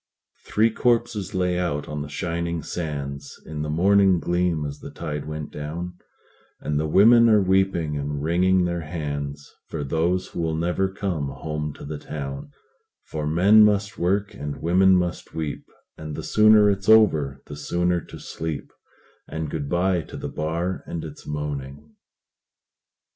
Three corpses lay out on the shining sands In the morning gleam as the tide went down, And the women are weeping and wringing their hands For those who will never come home to the town; For men must work, and women must weep, And the sooner it's over, the sooner to sleep; And good by to the bar and its moaning.